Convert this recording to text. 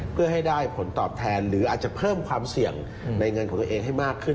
เพื่อให้ได้ผลตอบแทนหรืออาจจะเพิ่มความเสี่ยงในเงินของตัวเองให้มากขึ้น